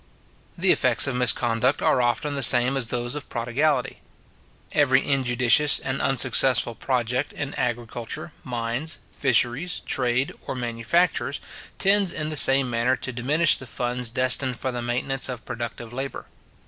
The effects of misconduct are often the same as those of prodigality. Every injudicious and unsuccessful project in agriculture, mines, fisheries, trade, or manufactures, tends in the same manner to diminish the funds destined for the maintenance of productive labour.